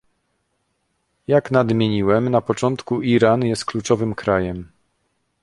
Jak nadmieniłem na początku, Iran jest kluczowym krajem